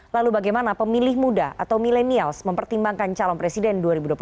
lalu bagaimana pemilih muda atau milenials mempertimbangkan calon presiden dua ribu dua puluh empat